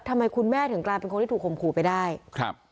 ทำไมคุณแม่ถึงกลายเป็นคนที่ถูกข่มขู่ไปได้ครับ